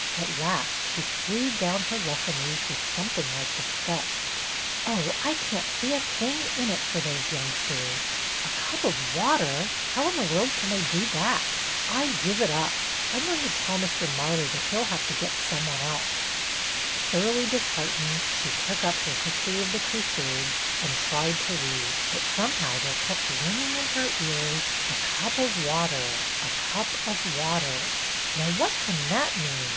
At last she threw down her lesson leaf with something like disgust. " Oh, I can't see a thing in it for those youngsters. A cup of water ! Flow in the world can they do that .? I give it up. I am going to tell Mr. Marley that he 'll have to get some one else." Thoroughly disheartened, she took up her " Histoi'y of the Crusades " and tried to read, but somehow there kept ringing in her ears, "a cup of water, a cup of water." " Now what can that mean